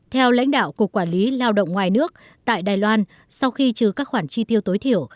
theo lãnh đạo cục quản lý lao động ngoài nước tại đài loan sau khi trừ các khoản chi tiêu tối thiểu